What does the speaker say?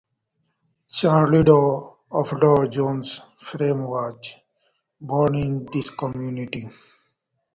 Charles Dow, of Dow Jones fame, was born in this community.